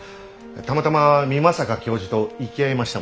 たまたま美作教授と行き合いましたもので。